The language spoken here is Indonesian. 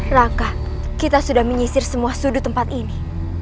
rangka kita sudah menyisir semua sudut tempat ini